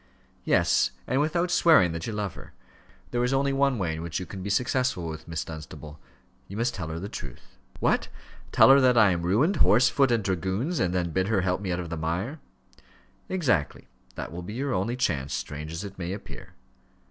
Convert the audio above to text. "Yes, and without swearing that you love her. There is only one way in which you can be successful with Miss Dunstable you must tell her the truth." "What! tell her that I am ruined, horse, foot, and dragoons, and then bid her help me out of the mire?" "Exactly: that will be your only chance, strange as it may appear."